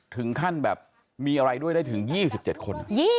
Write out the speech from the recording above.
ถึงขั้นแบบมีอะไรด้วยได้ถึง๒๗คน